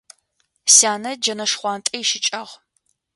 Сянэ джэнэ шхъуантӏэ ищыкӏагъ.